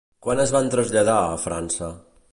Quan es van traslladar a França?